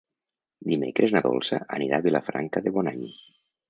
Dimecres na Dolça anirà a Vilafranca de Bonany.